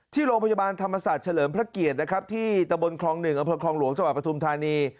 ที่โรงพยาบาลธรรมศาสตร์เฉลิมพระเกียรตินะครับที่ตะบลครอง๑อลจประถุมฐานี